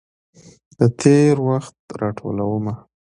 د تیروخت راټولومه